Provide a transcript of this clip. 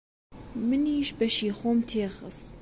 منیش بەشی خۆم تێ خست.